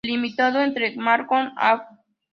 Delimitado entre Marconi, Av.